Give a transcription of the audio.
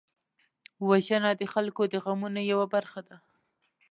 وژنه د خلکو د غمونو یوه برخه ده